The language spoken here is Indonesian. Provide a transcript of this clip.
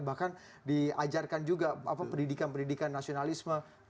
bahkan diajarkan juga pendidikan pendidikan nasionalisme